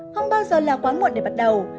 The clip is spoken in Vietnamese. không bao giờ là quá muộn để bắt đầu